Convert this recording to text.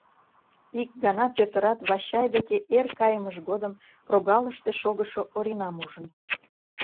Ик гана Пӧтырат Вачай деке эр кайымыж годым прогалыште шогышо Оринам ужын.